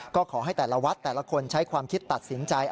ก็ขอให้แต่ละวัดแต่ละคนใช้ความคิดตัดสินใจ